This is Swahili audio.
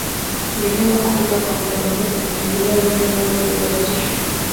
ni vyema kupika kwa mda mfupi matembele ili yawe na virutubisho